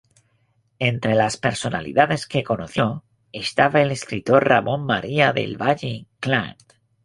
Entre las personalidades que conoció estaba el escritor Ramón María del Valle Inclán.